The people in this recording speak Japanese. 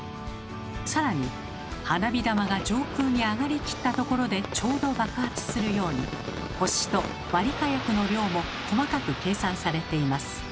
更に花火玉が上空に上がりきったところでちょうど爆発するように星と割火薬の量も細かく計算されています。